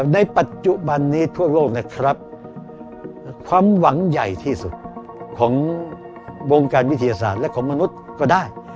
ในปัจจุบันนี้ทั่วโลกนะครับความหวังใหญ่ที่สุดของวงการวิทยาศาสตร์และของมนุษย์ก็ได้